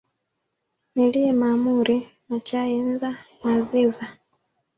Nilie mahamuri na chai ndha madhiva